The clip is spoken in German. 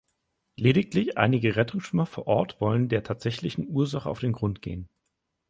Lediglich einige Rettungsschwimmer vor Ort wollen der tatsächlichen Ursache auf den Grund gehen.